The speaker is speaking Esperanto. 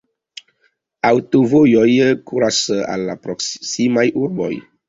Aŭtovojoj kuras al la proksimaj urboj.